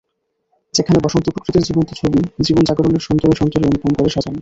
যেখানে বসন্ত প্রকৃতির জীবন্ত ছবি, জীবন জাগরণের সন্তরে সন্তরে অনুপম করে সাজানো।